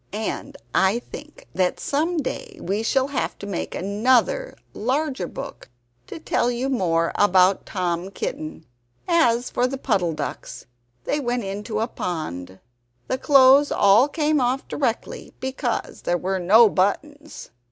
And I think that some day I shall have to make another, larger book, to tell you more about Tom Kitten! As for the Puddle ducks they went into a pond. The clothes all came off directly, because there were no buttons.